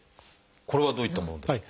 これはどういったものでしょう？